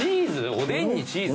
おでんにチーズ？